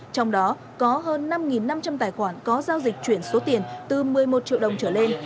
trong đó có hơn năm năm trăm linh tài khoản có giao dịch chuyển số tiền từ một mươi một triệu đồng trở lên